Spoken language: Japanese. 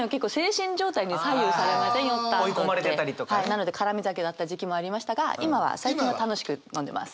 なので絡み酒だった時期もありましたが今は最近は楽しく飲んでます。